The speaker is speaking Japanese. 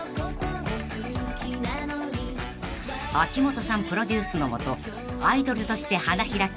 ［秋元さんプロデュースの下アイドルとして花開き